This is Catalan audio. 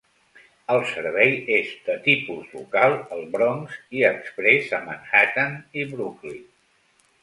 El servei és de tipus local al Bronx i exprés a Manhattan i Brooklyn.